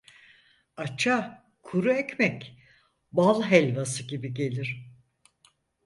Aça kuru ekmek bal helvası gibi gelir.